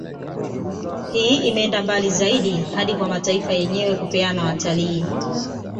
Hii imeenda mbali zaidi hadi kwa mataifa yenyewe kupeana watalii